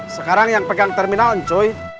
sekarang yang pegang terminal enjoy